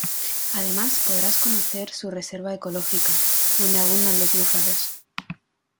Además podrás conocer su reserva ecológica donde abundan los búfalos.